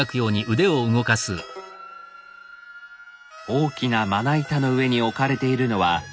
大きなまな板の上に置かれているのは食用のコイ。